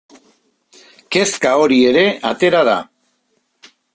Kezka hori ere atera da.